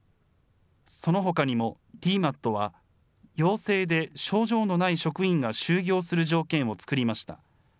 そのほかにもＤＭＡＴは、陽性で症状のない職員が就業する条件を作りました。